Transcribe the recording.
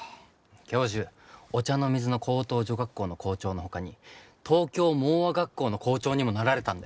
教授御茶ノ水の高等女学校の校長のほかに東京盲唖学校の校長にもなられたんだよ。